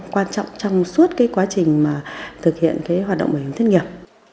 quan trọng trong suốt quá trình thực hiện hoạt động bảo hiểm thất nghiệp